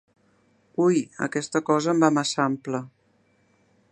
Ui, aquesta cosa em va massa ampla!